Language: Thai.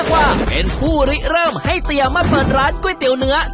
ว่าเป็นผู้ริเริ่มให้เตียมาเปิดร้านก๋วยเตี๋ยวเนื้อ